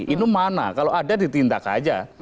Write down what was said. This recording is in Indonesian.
itu mana kalau ada ditindak aja